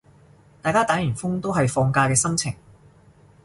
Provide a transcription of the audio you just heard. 大家打完風都係放假嘅心情